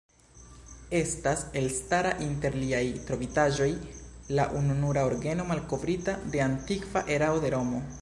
Estas elstara inter liaj trovitaĵoj la ununura orgeno malkovrita de antikva erao de Romo.